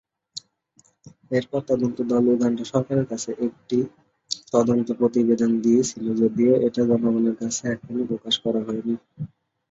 এরপর তদন্ত দল উগান্ডা সরকারের কাছে একটি তদন্ত প্রতিবেদন দিয়েছিল যদিও এটা জনগণের কাছে এখনো প্রকাশ করা হয়নি।